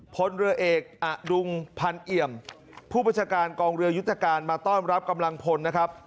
พลเรือเอกอดุงพันเอี่ยมผู้บัญชาการกองเรือยุทธการมาต้อนรับกำลังพลนะครับ